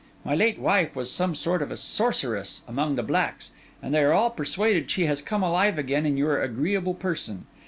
'My late wife was some sort of a sorceress among the blacks; and they are all persuaded she has come alive again in your agreeable person.